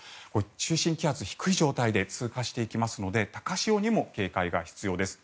中心気圧、低い状態で通過していきますので高潮にも警戒が必要です。